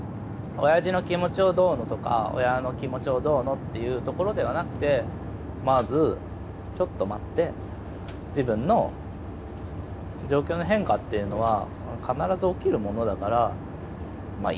おやじの気持ちをどうのとか親の気持ちをどうのっていうところではなくてまずちょっと待って自分の状況の変化っていうのは必ず起きるものだからまあ